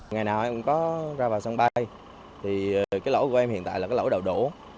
ngày nào em có ra vào sân bay thì cái lỗ của em hiện tại là cái lỗ đổ